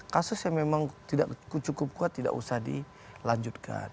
kasus yang memang cukup kuat tidak usah dilanjutkan